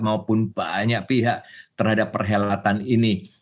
maupun banyak pihak terhadap perhelatan ini